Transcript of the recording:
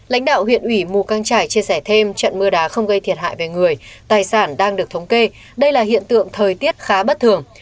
lãnh đạo huyện ủy mù căng trải chia sẻ thêm trận mưa đá không gây thiệt hại về người tài sản đang được thống kê đây là hiện tượng thời tiết khá bất thường